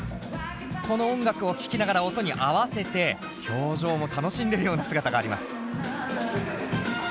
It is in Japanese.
この音楽を聴きながら音に合わせて表情も楽しんでるような姿があります。